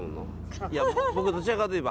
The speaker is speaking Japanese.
僕どちらかといえば。